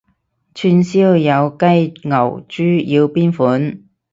串燒有雞牛豬要邊款？